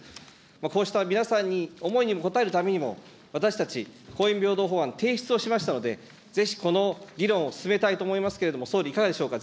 こうした皆さんに、思いに応えるためにも、私たち、婚姻平等法案提出をしましたので、ぜひ、この議論を進めたいと思いますけども、総理、いかがでしょうか。